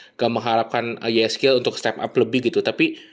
nggak mengharapkan yeskiel untuk step up lebih gitu tapi